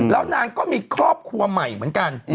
แล้วนางก็มีครอบครัวใหม่เหมือนกัน